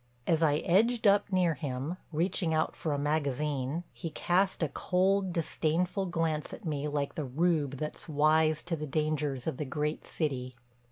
As I edged up near him, reaching out for a magazine, he cast a cold, disdainful glance at me like the rube that's wise to the dangers of the great city.